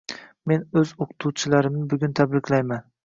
Men oʻz oʻqituvchilarimni bugun tabriklayman!